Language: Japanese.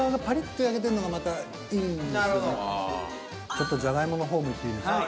ちょっとじゃがいもの方もいっていいですか？